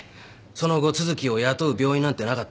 その後都築を雇う病院なんてなかった。